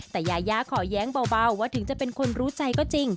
แต่ยายาขอแย้งเบาว่าถึงจะเป็นคนรู้ใจก็จริง